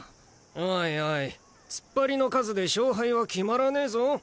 おいおい突っ張りの数で勝敗は決まらねぇぞ。